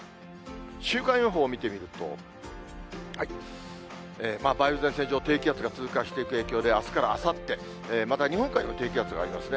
週間予報を見てみると、梅雨前線上を低気圧が通過していく影響で、あすからあさって、また日本海にも低気圧がありますね。